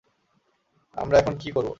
আমরা এখন কি করবো?